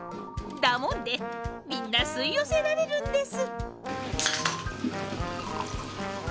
だもんでみんな吸い寄せられるんです。